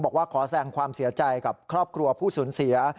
บอกว่าขอแสงความเสียใจกับครอบครัวผู้สูญเสีย